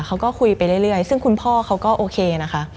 เขาก็คุยไปเรื่อยซึ่งคุณพ่อเขาก็โอเคนะคะ